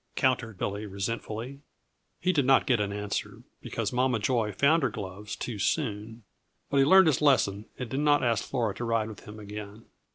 countered Billy resentfully. He did not get an answer, because Mama Joy found her gloves too soon, but he learned his lesson and did not ask Flora to ride with him again.